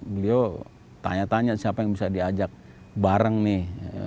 beliau tanya tanya siapa yang bisa diajak bareng nih